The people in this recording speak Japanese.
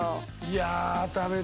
いや食べたいよ。